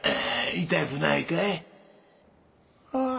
痛くないかい？ああ！